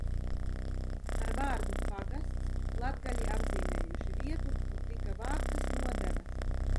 Ar vārdu pagasts latgaļi apzīmējuši vietu, kur tika vāktas nodevas.